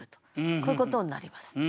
こういうことになります。